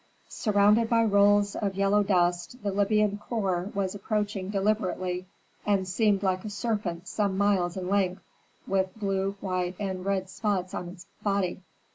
Surrounded by rolls of yellow dust the Libyan corps was approaching deliberately, and seemed like a serpent some miles in length, with blue, white, and red spots on its body.